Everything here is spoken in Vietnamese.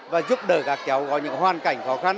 và giúp đỡ các cháu có những hoàn cảnh khó khăn